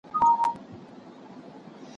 بېلابېل بنسټونه به په ټولنه کي زور ولري.